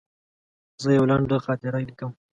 زه یوه لنډه خاطره لیکم.